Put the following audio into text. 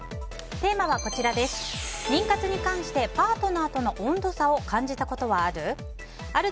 テーマは、妊活に関してパートナーとの温度差を感じたことはある？